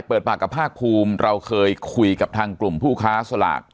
เปิดปากกับภาคภูมิเราเคยคุยกับทางกลุ่มผู้ค้าสลาก